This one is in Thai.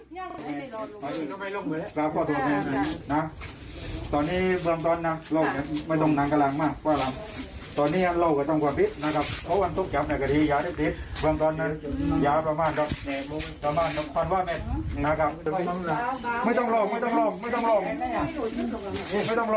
ไม่ต้องร้องไม่ต้องร้องไม่ต้องร้องไม่ต้องร้องไม่ต้องร้องไม่ต้องร้อง